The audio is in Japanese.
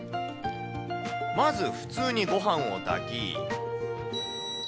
まず普通にごはんを炊き。